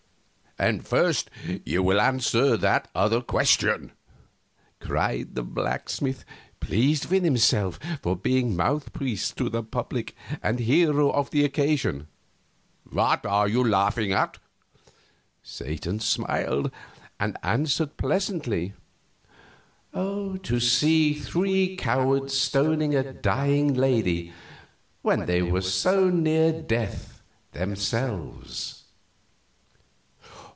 "And first you will answer that other question," cried the blacksmith, pleased with himself for being mouthpiece to the public and hero of the occasion. "What are you laughing at?" Satan smiled and answered, pleasantly: "To see three cowards stoning a dying lady when they were so near death themselves."